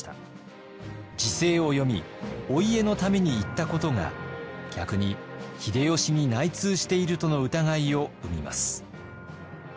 時勢を読みお家のために言ったことが逆に秀吉に内通しているとの疑いを生みます。